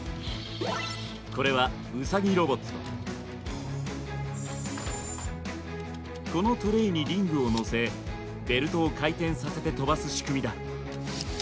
これはこのトレイにリングをのせベルトを回転させて飛ばす仕組みだ。